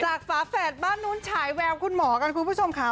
ฝาแฝดบ้านนู้นฉายแววคุณหมอกันคุณผู้ชมค่ะ